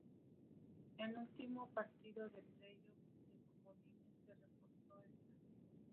En último partido de playoffs de comodines se reforzó esta.